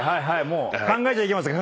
考えちゃいけません。